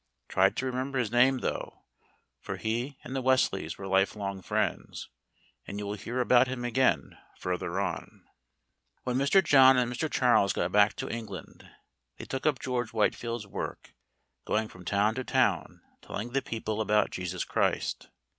Try to remember his name though, for he and the Wesleys were life long friends, and you will hear about him again further on. When Mr. John and Mr. Charles got back to England they took up George Whitefield's work, going from town to town telling the people about Jesus Christ.